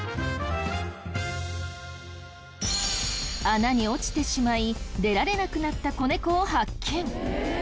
穴に落ちてしまい出られなくなった子猫を発見。